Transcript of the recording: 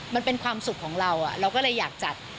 มันเป็นความสุขของเราเราก็เลยอยากจัด